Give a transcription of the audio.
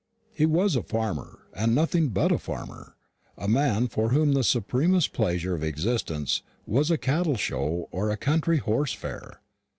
He was a farmer, and nothing but a farmer; a man for whom the supremest pleasure of existence was a cattle show or a country horse fair.